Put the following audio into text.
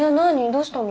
どうしたの？